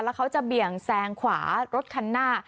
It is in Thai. แล้วเขาจะเบี่ยงแซงขวารถคันหน้า